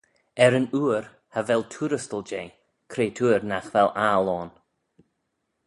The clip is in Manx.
Er yn ooir cha vel tuarystal jeh, cretoor nagh vel aggle ayn.